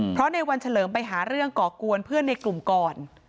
เพราะในวันเฉลิมไปหาเรื่องก่อกวนเพื่อนในกลุ่มก่อน